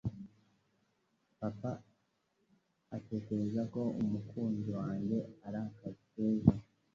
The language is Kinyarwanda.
Papa atekereza ko umukunzi wanjye ari akazi keza.